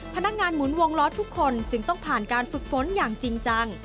หมุนวงล้อทุกคนจึงต้องผ่านการฝึกฝนอย่างจริงจัง